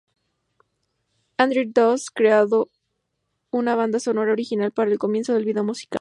Andrew Dost creado una banda sonora original para el comienzo del video musical.